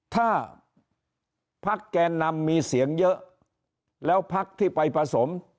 ถ้าพักแกนนำมีเสียงเยอะแล้วพักที่ไปผสม